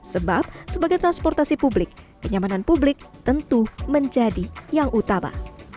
sebab sebagai transportasi publik kenyamanan publik tentu menjadi yang utama